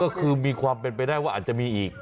ก็คือมีความเป็นไปได้ว่าอาจจะมีอีก